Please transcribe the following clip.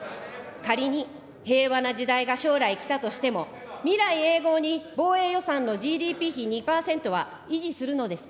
仮に平和な時代が将来来たとしても、未来永劫に防衛予算のＧＤＰ比２％は維持するのですか。